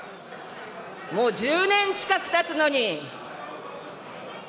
もう１０年近くたつのに。